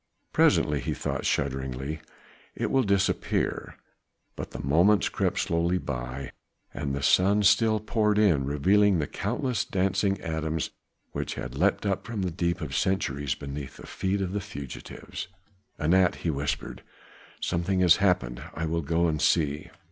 "Presently," he thought shudderingly, "it will disappear." But the moments crept slowly by, and the sun still poured in, revealing the countless dancing atoms which had leapt up from the sleep of centuries beneath the feet of the fugitives. "Anat," he whispered, "something has happened; I will go and see."